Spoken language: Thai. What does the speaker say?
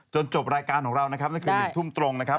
จบรายการของเรานะครับนั่นคือ๑ทุ่มตรงนะครับ